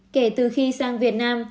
kể từ khi sang việt nam